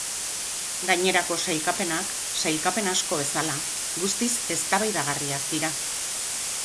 Gainerako sailkapenak, sailkapen asko bezala, guztiz eztabaidagarriak dira.